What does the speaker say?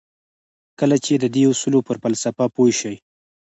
کله چې د دې اصولو پر فلسفه پوه شئ.